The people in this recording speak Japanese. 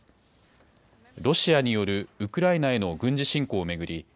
ロシアによるウクライナへの軍事侵攻を巡り